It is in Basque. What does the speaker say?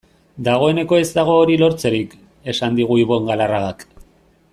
Dagoeneko ez dago hori lortzerik, esan digu Ibon Galarragak.